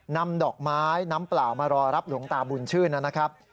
นำดอกไม้น้ำเปล่ามารอรับหลวงตาบุญชื่นนะครับ